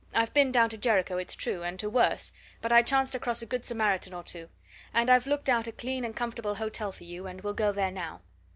"I've been down to Jericho, it's true, and to worse, but I chanced across a good Samaritan or two. And I've looked out a clean and comfortable hotel for you, and we'll go there now."